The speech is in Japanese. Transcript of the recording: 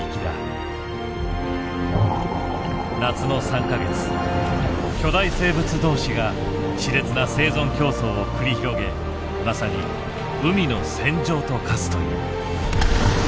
夏の３か月巨大生物同士がしれつな生存競争を繰り広げまさに海の戦場と化すという。